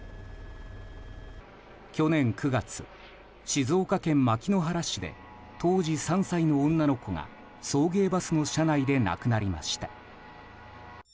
去年９月、静岡県牧之原市で当時３歳の女の子が送迎バスの車内で亡くなりました。